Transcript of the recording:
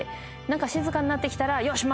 何か静かになってきたらよしっ！